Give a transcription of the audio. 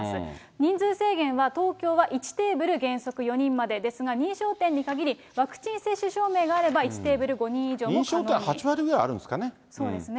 人数制限は、東京は１テーブル原則４人までですが、認証店に限り、ワクチン接種証明があれば、認証店は８割ぐらいあるんでそうですね。